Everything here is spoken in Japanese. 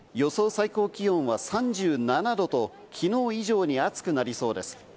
最高気温は３７度と、きのう以上に暑くなりそうです。